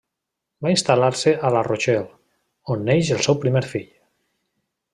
Va instal·lar-se a La Rochelle, on neix el seu primer fill.